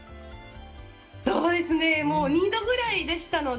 そうですね、２度ぐらいでしたので。